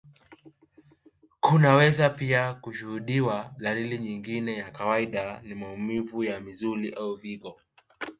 kunaweza pia kushuhudiwa dalili nyingine ya kawaida ni maumivu ya misuli au viungo